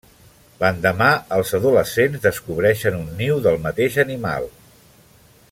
L'endemà, els adolescents descobreixen un niu del mateix animal.